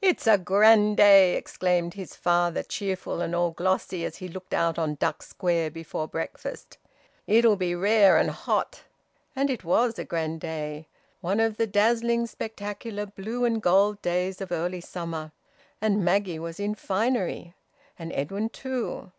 "It's a grand day!" exclaimed his father, cheerful and all glossy as he looked out upon Duck Square before breakfast. "It'll be rare and hot!" And it was a grand day; one of the dazzling spectacular blue and gold days of early summer. And Maggie was in finery. And Edwin too!